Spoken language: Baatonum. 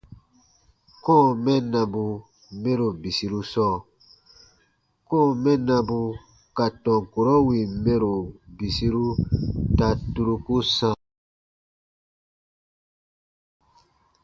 Kɔ̃ɔ mɛnnabu mɛro bisiru sɔɔ : kɔ̃ɔ mɛnnabu ka tɔn kurɔ wìn mɛro bisiru ta turuku sãa.